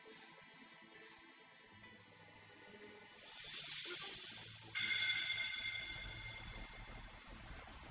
mau jadi kayak gini sih salah buat apa